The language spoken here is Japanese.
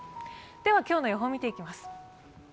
では今日の予報を見ていきます。